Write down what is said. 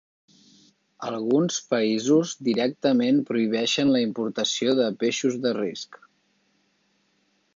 Alguns països directament prohibeixen la importació de peixos de risc.